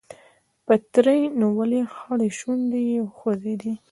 پتري نيولې خړې شونډې يې وخوځېدې.